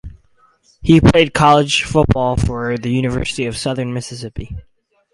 He played college football for the University of Southern Mississippi.